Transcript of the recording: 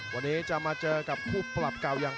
วันนี้จะมาเจอกับคู่ปรับเก่าอย่าง